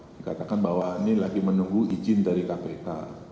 dikatakan bahwa ini lagi menunggu izin dari kpk